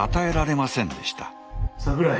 桜井。